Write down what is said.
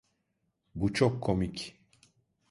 Bu çok komik.